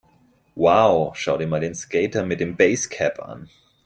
Wow, schau dir mal den Skater mit dem Basecap an!